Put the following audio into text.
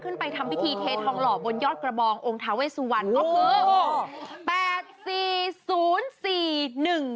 ขึ้นไปทำพิธีเทททองหล่อบนยอดกระบององค์ท้าเวสูอันก็คือ๘๔๐๔๑๙